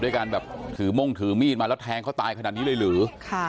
การแบบถือม่งถือมีดมาแล้วแทงเขาตายขนาดนี้เลยหรือ